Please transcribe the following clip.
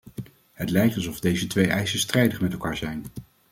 Het lijkt alsof deze twee eisen strijdig met elkaar zijn.